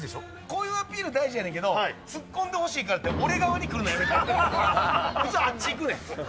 こういうアピール大事だけど、突っ込んでほしいからって俺側に来るのやめて、ふつうあっち行くねん。